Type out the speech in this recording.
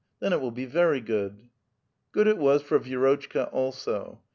Then it will bo very good ! Crood it was for X'ierotchka also.